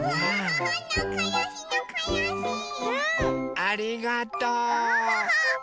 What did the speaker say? ありがとう！